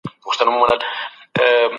کمپيوټر مجسمه ډيزاينوي.